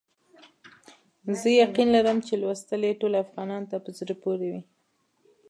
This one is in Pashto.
زه یقین لرم چې لوستل یې ټولو افغانانو ته په زړه پوري وي.